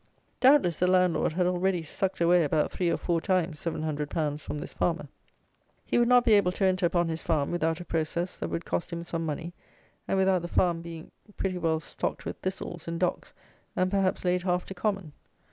Doubtless the landlord had already sucked away about three or four times seven hundred pounds from this farmer. He would not be able to enter upon his farm without a process that would cost him some money, and without the farm being pretty well stocked with thistles and docks, and perhaps laid half to common.